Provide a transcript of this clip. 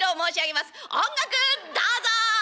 音楽どうぞ！」。